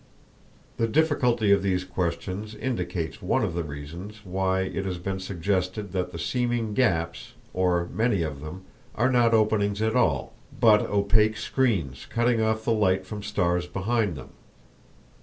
The difficulty of these questions indicates one of the reasons why it has been suggested that the seeming gaps, or many of them, are not openings at all, but opaque screens cutting off the light from stars behind them.